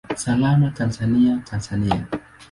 Salama Tanzania, Tanzania!